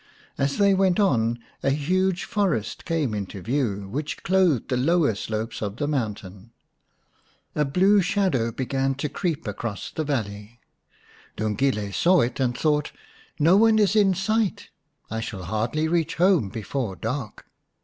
As they went on a huge forest came into view, which clothed the lower slopes of the mountain. A blue shadow began to creep across the valley. Lungile saw it, and thought, " No one is in sight, I shall hardly reach home before dark.